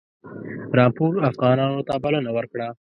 رامپور افغانانو ته بلنه ورکړه.